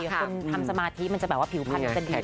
คุณทำสมาธิมันจะเป็นว่าผิวพรรถจะดีของใส่